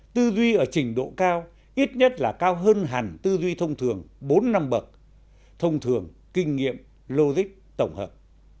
theo ít nhất là cao hơn hẳn tư duy thông thường bốn năm bậc thông thường kinh nghiệm logic tổng hợp